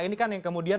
ini kan yang kemudian